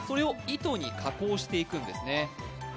それを糸に加工していくんですね。